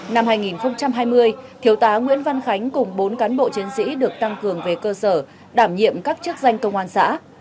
năm hai nghìn hai mươi thiếu tá nguyễn văn khánh cùng bốn cán bộ chiến sĩ được tăng cường về cơ sở đảm nhiệm các chức danh công an xã